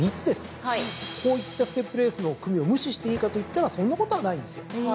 こういったステップレースの組を無視していいかといったらそんなことはないんですよ。